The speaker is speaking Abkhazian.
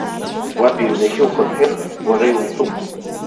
Уаб иҩнахьы ухынҳәыр, уара иутәуп.